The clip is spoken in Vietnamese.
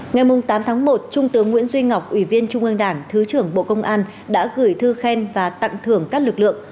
ngày tám tháng một trung tướng nguyễn duy ngọc ủy viên trung ương đảng thứ trưởng bộ công an đã gửi thư khen và tặng thưởng các lực lượng